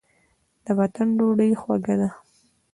د وطن ډوډۍ خوږه ده.